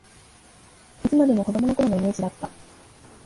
いつまでも子どもの頃のイメージだった